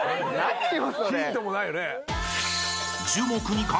ヒントもないよね。